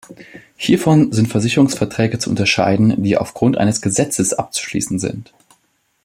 Hiervon sind Versicherungsverträge zu unterscheiden, die aufgrund eines Gesetzes abzuschließen sind.